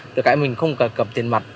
được cái mình không cần cầm tiền mặt